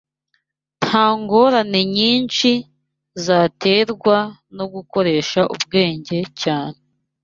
nta ngorane nyinshi zaterwa no gukoresha ubwenge cyane